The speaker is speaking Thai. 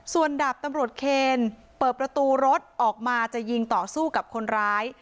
ส่วนดาบตำรวจเคนเปิดประตูรถออกมาจะยิงต่อสู้กับคนร้าย